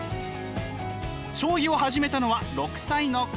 将棋を始めたのは６歳の頃。